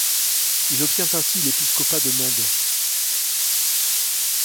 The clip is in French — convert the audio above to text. Il obtient ainsi l'épiscopat de Mende.